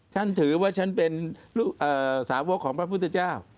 ฉันถือว่าฉันเป็นสาวกของพระพุทธเจ้า